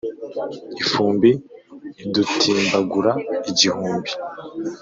Ifumbi idutimbagura igihumbi